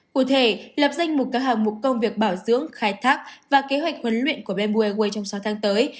cụ thể lập danh mục các hàng mục công việc bảo dưỡng khai thác và kế hoạch huấn luyện của bamboo airways trong sáu tháng tới